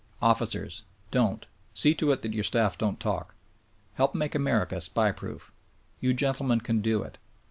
Officers, don't; see to it that your staff don't talk.. Help make America SPY proof. You gentlemen can do it.